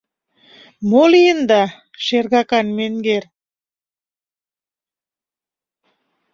Мо лийында, шергакан менгер?..